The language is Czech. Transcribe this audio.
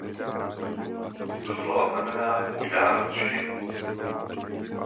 Doslova znamená „"Můj národ žije"“.